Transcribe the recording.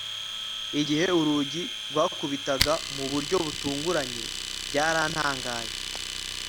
Igihe urugi rwakubitaga mu buryo butunguranye byarantangaje